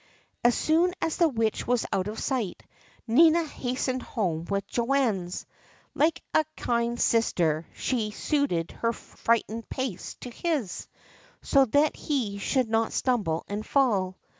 As soon as the Witch was out of sight, Nina has tened home with Johannes. Like a kind sister she suited her frightened pace to his, so that he should not stumble and fall.